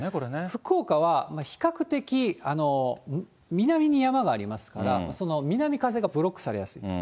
福岡は、比較的南に山がありますから、その南風がブロックされやすい。